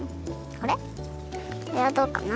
これはどうかな？